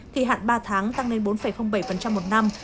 kỳ hạn ba tháng tăng từ hai ba mươi sáu một năm lên bốn ba một năm